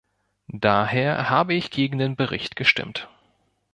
Daher habe ich gegen den Bericht gestimmt.